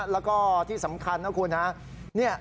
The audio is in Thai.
แล้วก็ที่สำคัญนะคุณฮะ